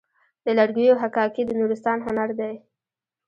د لرګیو حکاکي د نورستان هنر دی.